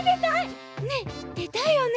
ねえでたいよね？